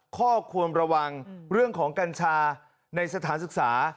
ข้อควรระวังเรื่องของกัญชาในสถานศึกษา